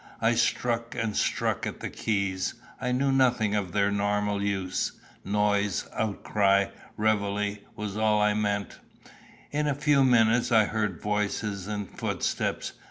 I struck and struck at the keys. I knew nothing of their normal use. Noise, outcry, reveillé was all I meant. In a few minutes I heard voices and footsteps.